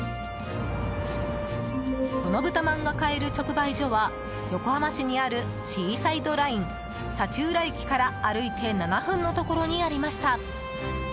この豚まんが買える直売所は横浜市にあるシーサイドライン、幸浦駅から歩いて７分のところにありました。